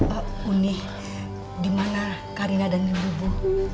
oh uni dimana karina dan ibu ibu